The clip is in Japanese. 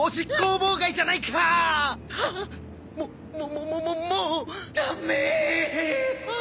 ももももももうダメ！